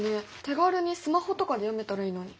手軽にスマホとかで読めたらいいのに。